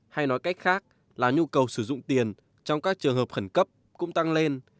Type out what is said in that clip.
hay nói cách khác là nhu cầu sử dụng tiền trong các trường hợp khẩn cấp cũng tăng lên